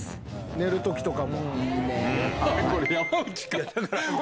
寝る時とかも。